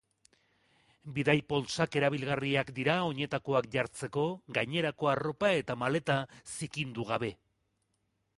Bidai-poltsak erabilgarriak dira oinetakoak jartzeko, gainerako arropa eta maleta zikindu gabe.